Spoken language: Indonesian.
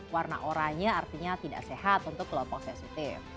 warna oranye artinya tidak sehat untuk kelompok sensitif